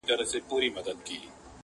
د مطرب به په شهباز کي غزل نور وي-